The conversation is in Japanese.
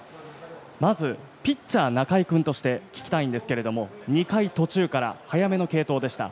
まず、ピッチャー仲井君として聞きたいんですけれども２回途中から早めの継投でした。